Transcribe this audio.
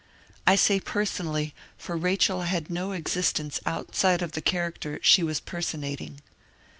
I say personally^ for Rachel had no existence outside of the char acter she was persenating.